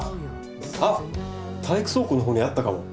あっ体育倉庫のほうにあったかも。